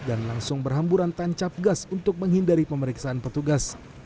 dan langsung berhamburan tancap gas untuk menghindari pemeriksaan petugas